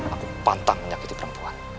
aku pantang menyakiti perempuan